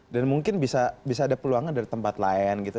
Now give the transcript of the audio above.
dan mungkin bisa ada peluangan dari tempat lain gitu